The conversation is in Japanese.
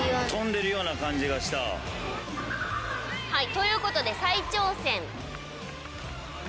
ということで再挑戦。